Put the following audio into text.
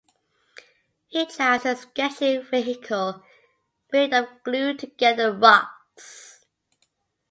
He drives a sketchy vehicle made of glued-together rocks.